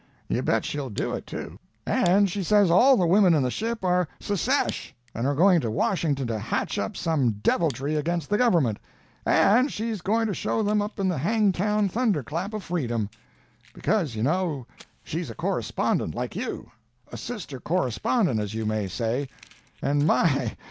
You bet she'll do it, too. And she says all the women in the ship are secesh, and are going to Washington to hatch up some deviltry against the Government, and she's going to show them up in the Hangtown Thunderclap of Freedom—because, you know, she's a correspondent, like you—a sister correspondent, as you may say—and my!